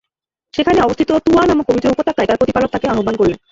সেখানে অবস্থিত তুওয়া নামক পবিত্র উপত্যকায় তার প্রতিপালক তাকে আহ্বান করলেন।